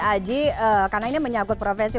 aji karena ini menyangkut profesi